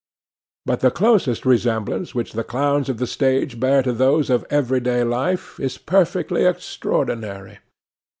But the close resemblance which the clowns of the stage bear to those of every day life is perfectly extraordinary.